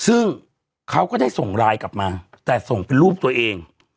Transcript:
ซึ่งเขาก็ได้ส่งไลน์กลับมาแต่ส่งเป็นรูปตัวเอง